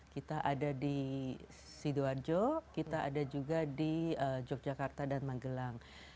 kita ada di sidoarjo kita ada juga di yogyakarta dan magelang